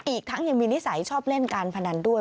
อีกทั้งยังมีนิสัยชอบเล่นการพนันด้วย